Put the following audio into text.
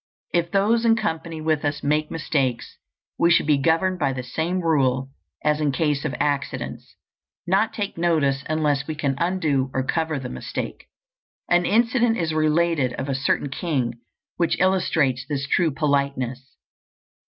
If those in company with us make mistakes, we should be governed by the same rule as in case of accidents, not take notice unless we can undo or cover the mistake. An incident is related of a certain king which illustrates this true politeness.